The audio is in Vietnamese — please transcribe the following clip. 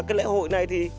cái lễ hội này thì